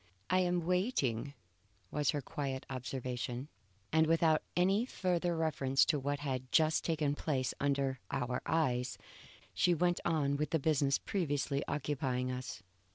"I am waiting," was her quiet observation, and without any further reference to what had just taken place under our eyes, she went on with the business previously occupying us.